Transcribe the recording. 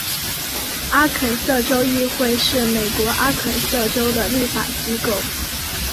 阿肯色州议会是美国阿肯色州的立法机构。